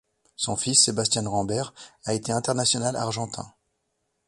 Son fils, Sebastián Rambert, a été international argentin.